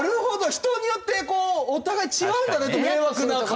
人によってお互い違うんだなと迷惑な感覚が。